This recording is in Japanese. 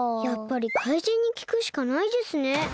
やっぱり怪人にきくしかないですね。